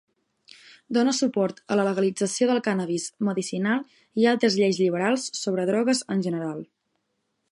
Dóna suport a la legalització del cànnabis medicinal i altres lleis lliberals sobre drogues en general.